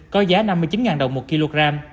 có giá năm mươi chín đồng một kg